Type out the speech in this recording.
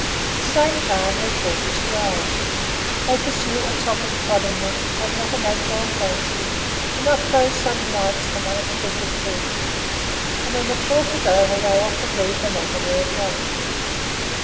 At the same time their talk is dry; they pursue a topic ploddingly, have not an agile fancy, do not throw sudden lights from unexpected quarters, and when the talk is over they often leave the matter where it was.